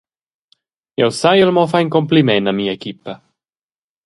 Jeu saiel mo far in cumpliment a mia equipa.